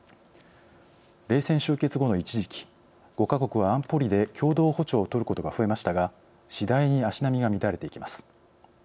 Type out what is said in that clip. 冷戦終結後の一時期５か国は安保理で共同歩調を取ることが増えましたが次第に足並みが乱れていきます。